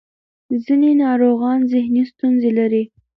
ځینې ناروغان ذهني ستونزې لري.